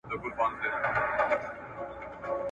دومره ستړې که ژوند سبا پای ته رسیږي.